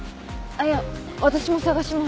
あっいや私も捜します。